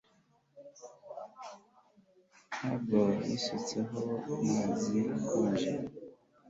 Bobo yisutseho amazi akonje